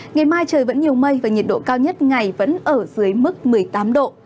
ngày mai trời vẫn nhiều mây và nhiệt độ cao nhất ngày vẫn ở dưới mức một mươi tám độ